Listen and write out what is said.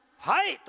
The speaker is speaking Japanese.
はい。